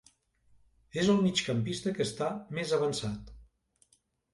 És el migcampista que està més avançat.